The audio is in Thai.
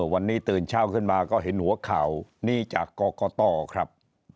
วันนี้ตื่นเช้าขึ้นมาก็เห็นหัวข่าวนี้จากกรกตครับ